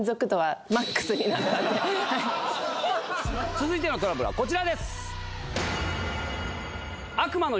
続いてのトラブルはこちらです。